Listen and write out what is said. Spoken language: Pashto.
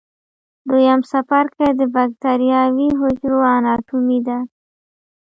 دویم څپرکی د بکټریاوي حجرو اناټومي ده.